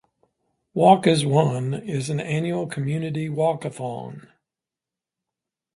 Walk as One is an annual community walk-a-thon.